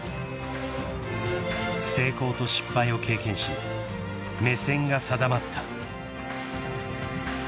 ［成功と失敗を経験し目線が定まった］